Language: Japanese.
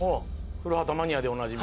「古畑」マニアでおなじみ。